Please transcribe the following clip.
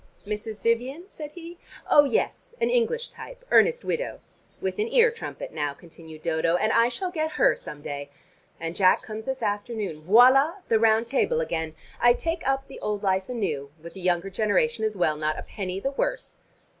"Mrs. Vivian?" said he. "Oh, yes, an English type, earnest widow." "With an ear trumpet now," continued Dodo; "and I shall get her some day. And Jack comes this afternoon. Voilà, the round table again! I take up the old life anew, with the younger generation as well, not a penny the worse."